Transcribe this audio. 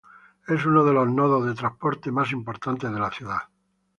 Es uno de los nodos de transportes más importantes de la ciudad.